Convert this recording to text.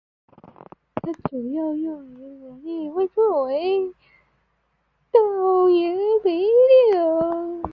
它主要用于农业作为高氮肥料。